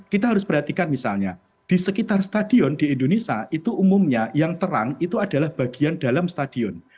kita harus perhatikan misalnya di sekitar stadion di indonesia itu umumnya yang terang itu adalah bagian dalam stadion